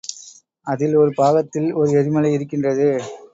அதில் ஒரு பாகத்தில் ஒரு எரிமலை இருக்கின்றது.